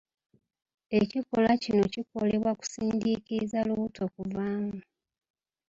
Ekikolwa kino kikolebwa kusindiikiriza lubuto kuvaamu